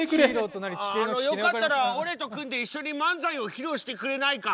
あのよかったら俺と組んで一緒に漫才を披露してくれないか？